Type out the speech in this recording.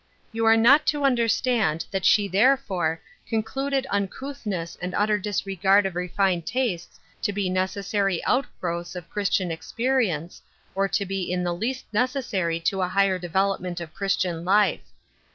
You are not to understand that she, therefore, concluded uncouthness and utter disregard of refined tastes to Jdc necessary out growths of Christian experience, or to be in the least necessary to a higher development of Christian life.